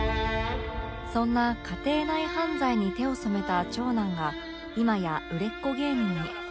そんな家庭内犯罪に手を染めた長男が今や売れっ子芸人に